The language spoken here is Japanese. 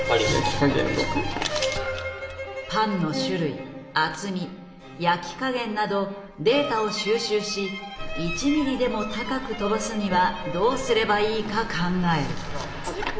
パンの種類厚み焼き加減などデータを収集し１ミリでも高く跳ばすにはどうすればいいか考える。